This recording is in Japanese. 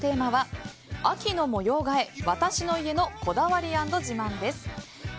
今週のせきららボイスの投稿テーマは秋の模様替え私の家のこだわり＆自慢です。